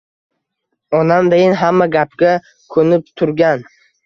Onamdayin hamma gapga ko’nib turgan